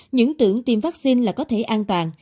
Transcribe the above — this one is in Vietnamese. những tưởng tiêm vaccine là có thể an toàn